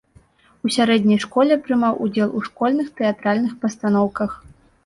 У сярэдняй школе прымаў удзел у школьных тэатральных пастаноўках.